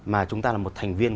mà chúng ta là một thành viên